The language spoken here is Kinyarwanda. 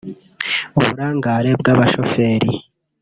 uburangare bw’abashoferi